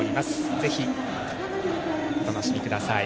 ぜひ、お楽しみください。